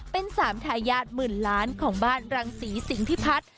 เป็น๓ทายาทหมื่นล้านของบ้านรังศรีสิงพิพัฒน์